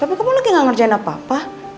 tapi kamu lagi gak ngerjain apa apa